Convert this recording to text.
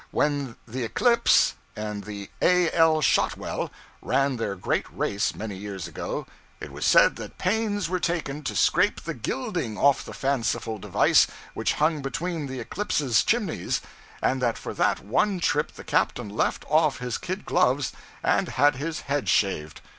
When the 'Eclipse' and the 'A. L. Shotwell' ran their great race many years ago, it was said that pains were taken to scrape the gilding off the fanciful device which hung between the 'Eclipse's' chimneys, and that for that one trip the captain left off his kid gloves and had his head shaved.